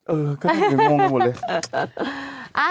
เออก็ยังงงอยู่หมดเลย